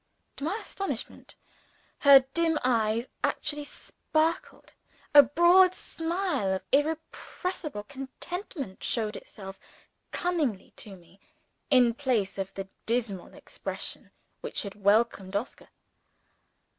To my astonishment, her dim eyes actually sparkled; a broad smile of irrepressible contentment showed itself cunningly to me, in place of the dismal expression which had welcomed Oscar.